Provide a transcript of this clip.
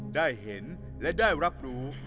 ได้เห็นและได้รับรู้